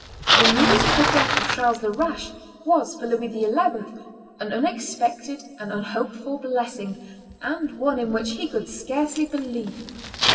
The news of the death of Charles the Rash was for Louis XI. an unexpected and unhoped for blessing, and one in which he could scarcely believe.